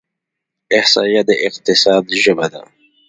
احصایه د اقتصاد ژبه ده.